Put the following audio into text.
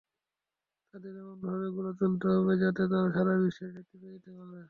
তাদের এমনভাবে গড়ে তুলতে হবে, যাতে তারা সারা বিশ্বে নেতৃত্ব দিতে পারে।